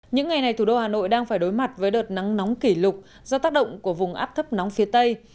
những ngày này thủ đô hà nội đang phải đối mặt với đợt nắng nóng kỷ lục do tác động của vùng áp thấp nóng phía tây